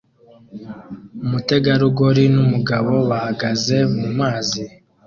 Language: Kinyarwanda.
Umutegarugori numugabo bahagaze mumazi